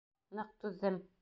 Ныҡ түҙҙем!